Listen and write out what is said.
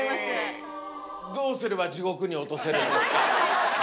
どうすれば地獄に落とせるんですか？